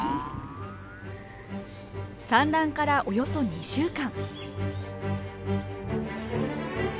産卵からおよそ２週間。